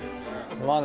まあね